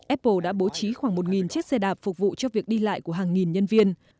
apple đã bố trí khoảng một chiếc xe đạp phục vụ cho việc đi lại của hàng nghìn nhân viên